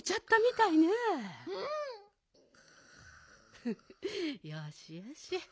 フフよしよし。